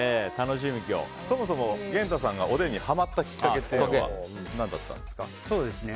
そもそも源太さんがおでんにハマったきっかけというのは何だったんですか？